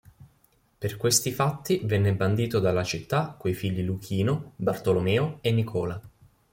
Per questi fatti venne bandito dalla città coi figli Luchino, Bartolomeo e Nicola.